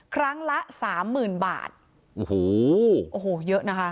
ครั้งละสามหมื่นบาทโอ้โหโอ้โหเยอะนะคะ